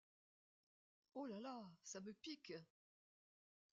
Oh! la, la, ça me pique !